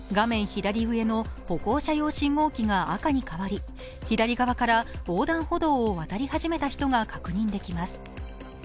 左上の歩行者用信号機が赤に変わり左側から横断歩道を渡り始めた人が確認できます。